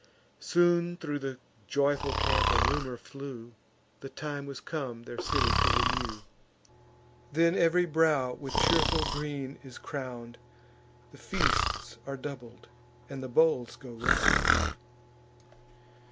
Soon thro' the joyful camp a rumour flew, The time was come their city to renew. Then ev'ry brow with cheerful green is crown'd, The feasts are doubled, and the bowls go round.